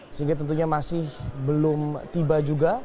sehingga tentunya masih belum tiba juga